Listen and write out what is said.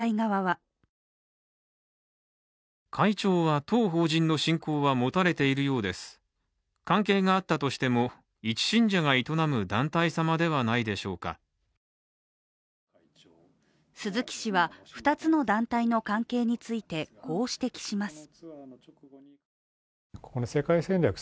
一方、旧統一教会側は鈴木氏は２つの団体の関係についてこう指摘します。